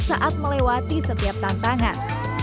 saat melewati setiap tantangan